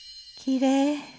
「きれい」。